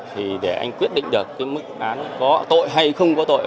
thì để anh quyết định được cái mức án có tội hay không có tội